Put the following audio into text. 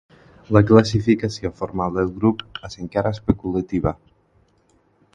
La classificació formal del grup és encara especulativa.